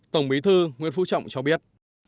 tổng bí thư nguyễn phú trọng cho biết